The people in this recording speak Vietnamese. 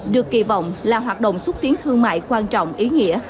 được kỳ vọng là hoạt động xúc tiến thương mại quan trọng ý nghĩa